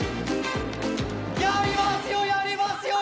やりますよ！